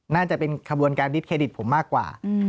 น่าจะเป็นขบวนการดิบเครดิตผมมากกว่า